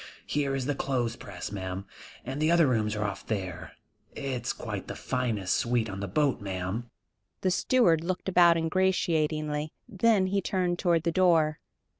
Here is the clothes press, ma'am, and the other rooms are off there. It's quite the finest suite on the boat, ma'am." The steward looked about ingratiatingly, then he turned toward the door.